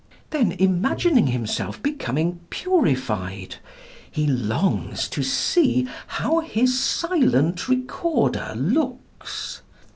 Then imagining himself becoming purified he longs to see how his silent recorder looks.